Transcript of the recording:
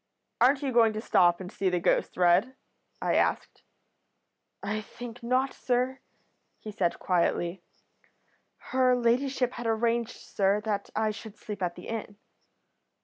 "'Aren't you going to stop and see the ghost, Rudd?' I asked. "'I think not, sir,' he said quietly. 'Her ladyship had arranged, sir, that I should sleep at the inn.'